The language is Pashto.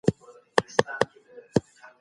ملکیت انسان ته د ژوند د پرمختګ وسیلې ورکوي.